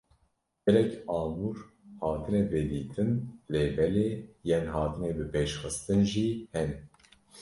Gelek amûr hatine vedîtin lêbelê yên hatine bipêşxistin jî hene.